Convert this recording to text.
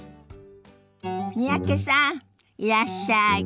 三宅さんいらっしゃい。